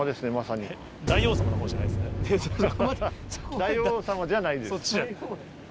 大王さまじゃないです。